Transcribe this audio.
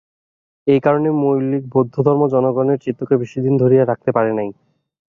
এই কারণেই মৌলিক বৌদ্ধধর্ম জনগণের চিত্তকে বেশীদিন ধরিয়া রাখিতে পারে নাই।